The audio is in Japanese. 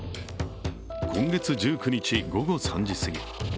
今月１９日、午後３時すぎ。